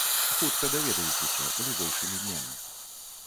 Хутка даведаецеся, бліжэйшымі днямі.